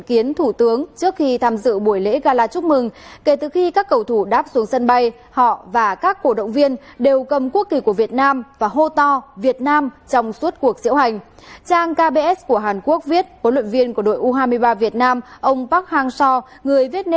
dân bay nội bài đã chật cứng đám đông các cổ động viên đến chào đón u hai mươi ba việt nam trở về và giao thông ở khu vực gần đó đã bị tê liệt